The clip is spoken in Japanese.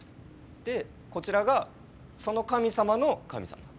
でこちらがその神様の神様。